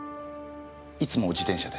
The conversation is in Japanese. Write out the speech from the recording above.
いつも自転車で？